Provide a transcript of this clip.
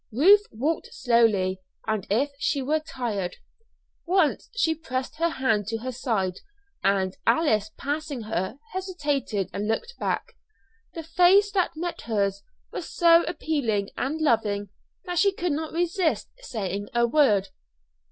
Ruth walked slowly and as if she were tired. Once she pressed her hand to her side, and Alice, passing her, hesitated and looked back. The face that met hers was so appealing and loving that she could not resist saying a word.